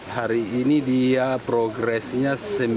hari ini dia progresnya sembilan puluh satu tujuh